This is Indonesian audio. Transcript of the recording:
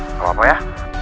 gak apa apa ya